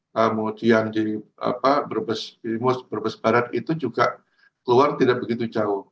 kemudian di brebes brebes barat itu juga keluar tidak begitu jauh